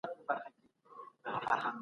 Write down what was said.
نړیوالې موسسې هم مرسته کوي.